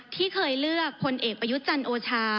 ที่เคยเลือกคนเอกประยุจรรย์โอชา